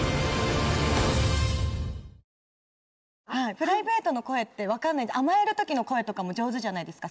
プライベートの声って甘える時の声とかも上手じゃないですか